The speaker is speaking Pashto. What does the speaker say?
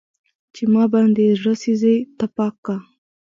چې ما باندې يې زړه سيزي تپاک کا